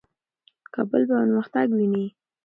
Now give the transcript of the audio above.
کابل پرمختګ ویني.